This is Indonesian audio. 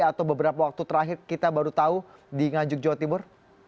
atau beberapa waktu terakhir kita baru tahu di nganjuk jawa timur